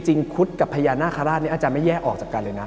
คุดกับพญานาคาราชนี้อาจจะไม่แยกออกจากกันเลยนะ